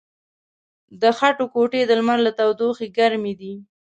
د خټو کوټې د لمر له تودوخې ګرمې دي.